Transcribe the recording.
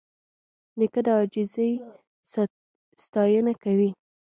نیکه د عاجزۍ ستاینه کوي.